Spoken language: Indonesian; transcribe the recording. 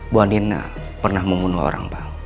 bu andi pernah membunuh orang pak